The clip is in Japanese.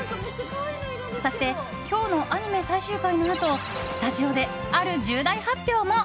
そして今日のアニメ最終回のあとスタジオで、ある重大発表も。